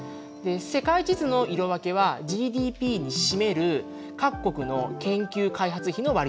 世界地図の色分けはＧＤＰに占める各国の研究開発費の割合です。